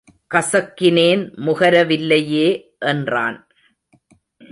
கசக்கினேன் முகர வில்லையே என்றான்.